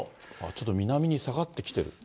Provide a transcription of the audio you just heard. ちょっと南に下がってきてる。